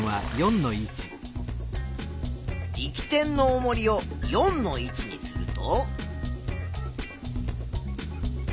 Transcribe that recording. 力点のおもりを４の位置にすると。